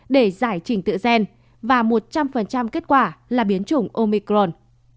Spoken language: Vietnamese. để giải trình tự gen và một trăm linh kết quả là biến chủng omicron